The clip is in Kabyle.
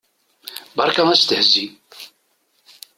Berka astehzi!